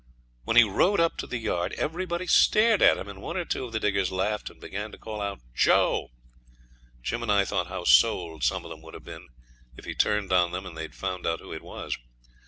When he rode up to the yard everybody stared at him, and one or two of the diggers laughed and began to call out 'Joe.' Jim and I thought how sold some of them would have been if he turned on them and they'd found out who it was.